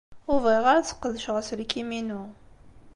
Ur bɣiɣ ara ad sqedceɣ aselkim-inu.